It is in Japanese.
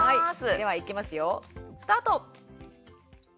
では、いきますよスタート。